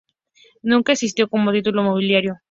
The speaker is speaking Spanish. Nunca existió como título nobiliario.